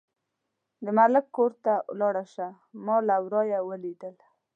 د ملک کور ته لاړه شه، ما له ورايه ولیدل.